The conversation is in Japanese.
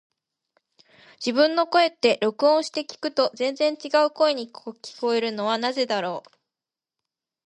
自分の声って、録音して聞くと全然違う声に聞こえるのはなぜだろう。